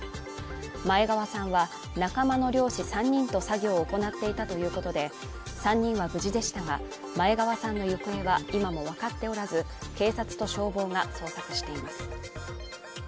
前川さんは仲間の漁師３人と作業を行っていたということで、３人は無事でしたが前川さんの行方は今もわかっておらず、警察と消防が捜索しています。